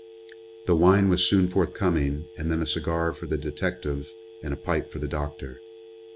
The wine was soon forthcoming and then a cigar for the detective and a pipe for the doctor.